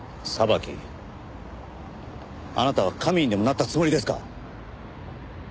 あなたは神にでもなったつもりですか？